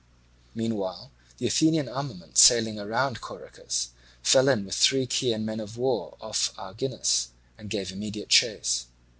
Meanwhile the Athenian armament sailing round Corycus fell in with three Chian men of war off Arginus, and gave immediate chase.